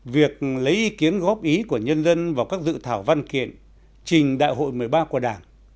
việc lấy ý kiến góp ý của nhân dân vào các dự thảo văn kiện trình đại hội một mươi ba của đảng